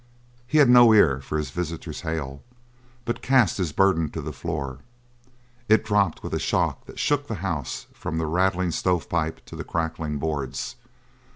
He had no ear for his visitor's hail, but cast his burden to the floor. It dropped with a shock that shook the house from the rattling stove pipe to the crackling boards.